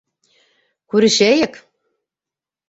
Күрешәйек!